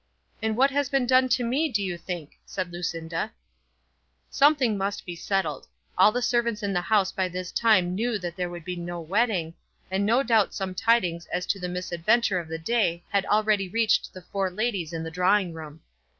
"And what has been done to me, do you think?" said Lucinda. Something must be settled. All the servants in the house by this time knew that there would be no wedding, and no doubt some tidings as to the misadventure of the day had already reached the four ladies in the drawing room.